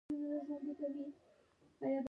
لاړې يې تو کړې.